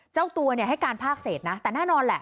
เจ้าตัวเนี่ยให้การพากเศษนะแต่น่านอนแหละ